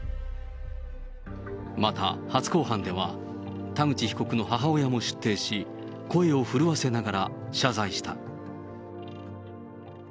また、初公判では田口被告の母親も出廷し、声を震わせながら謝罪した。